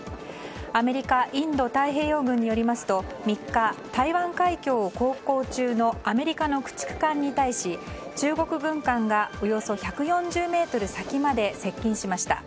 アメリカインド太平洋軍によりますと３日、台湾海峡を航行中のアメリカの駆逐艦に対し中国軍艦がおよそ１４０ｍ先まで接近しました。